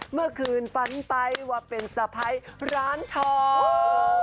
เมื่อคืนฝันไปว่าเป็นสะพ้ายร้านทอง